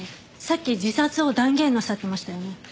さっき自殺を断言なさってましたよね。